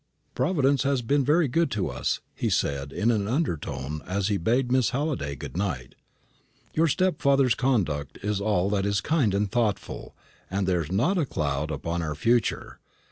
"Providence has been very good to us," he said, in an undertone, as he bade Miss Halliday good night. "Your stepfather's conduct is all that is kind and thoughtful, and there is not a cloud upon our future.